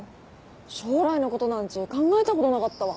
将来のことなんち考えたことなかったわ。